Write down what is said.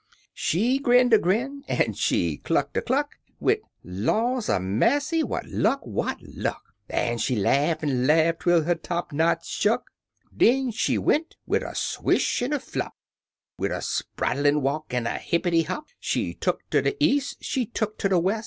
She grinned a grin an' she clucked a cluck, Wid, " Laws a massy 1 what luck! what luck!" An' she laugh an' laugh twel her top knot shuck; Den in she went wid a swish an' a flop, Wid a spraddlin' walk, an' a hippity hop; She look ter de eas', she look ter de wes".